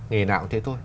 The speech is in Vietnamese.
nghề nào cũng thế thôi